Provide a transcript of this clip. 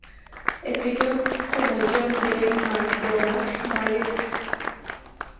Escritores como John D. MacDonald, Margaret St.